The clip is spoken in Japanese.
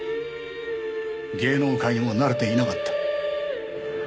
芸能界にも慣れていなかった。